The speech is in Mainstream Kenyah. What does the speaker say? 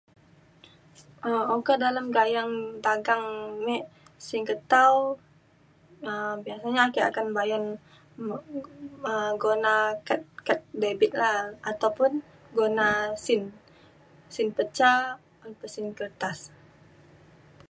um okak dalem gayeng dagang me singget tau um biasanya ake akan bayan me- um guna kad kad debit la ataupun guna sin. Sin pecah un pa sin kertas.